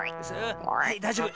はいだいじょうぶ。